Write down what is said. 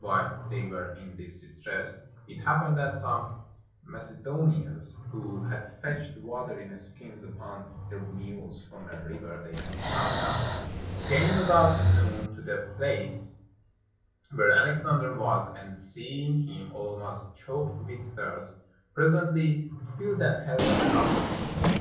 While they were in this distress, it happened that some Macedonians who 375 PERSIA had fetched water in skins upon their mules from a river they had found out, came about noon to the place where Alexander was, and seeing him almost choked with thirst, presently filled an helmet and offered it him.